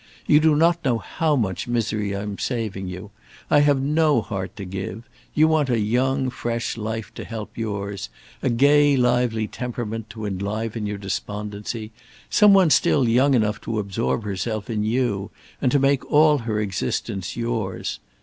You do not know how much misery I am saving you. I have no heart to give. You want a young, fresh life to help yours; a gay, lively temperament to enliven your despondency; some one still young enough to absorb herself in you and make all her existence yours.